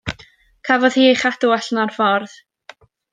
Cafodd hi ei chadw allan o'r ffordd.